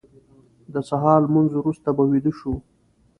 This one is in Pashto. د سهار لمونځ وروسته به ویده شو.